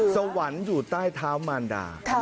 สวรรค์อยู่ใต้เท้ามารดา